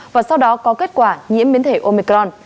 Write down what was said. và sau đó có kết quả nhiễm biến thể omecron